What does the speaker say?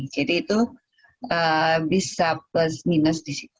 jadi itu bisa plus minus disitu